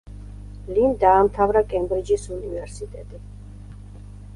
ლიმ დაამთავრა კემბრიჯის უნივერსიტეტი.